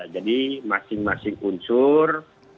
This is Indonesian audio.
jadi masing masing unsur